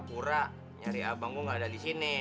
pura nyari abang gue gak ada di sini